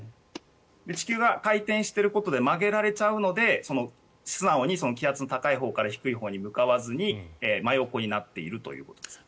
地球が回転していることで曲げられちゃうので素直に気圧の高いほうから低いほうに向かわずに真横になっているということです。